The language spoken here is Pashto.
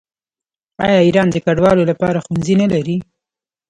آیا ایران د کډوالو لپاره ښوونځي نلري؟